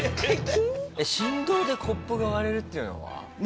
振動でコップが割れるっていうのは？